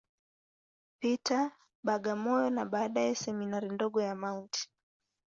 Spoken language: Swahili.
Peter, Bagamoyo, na baadaye Seminari ndogo ya Mt.